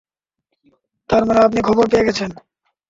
তারমানে আপনি খবর পেয়ে গেছেন?